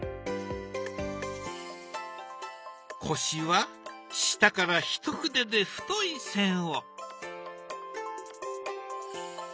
腰は下からひと筆で太い線を。